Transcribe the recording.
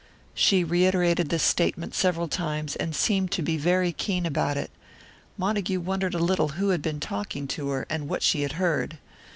She reiterated this statement several times, and seemed to be very keen about it; Montague wondered a little who had been talking to her, and what she had heard.